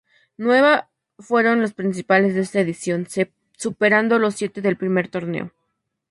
Nueve fueron los participantes de esta edición, superando los siete del primer torneo.